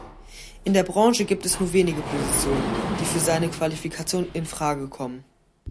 In der Branche gibt es nur wenige Positionen, die für seine Qualifikation infrage kommen.